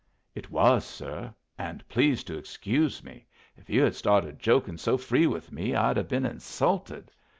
"It was, sir; and please to excuse me. If you had started joking so free with me, I'd have been insulted.